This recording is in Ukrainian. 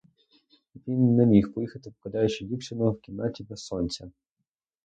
Він не міг поїхати, покидаючи дівчину в кімнаті без сонця.